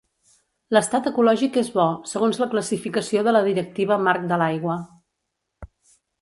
L'estat ecològic és bo, segons la classificació de la Directiva Marc de l'Aigua.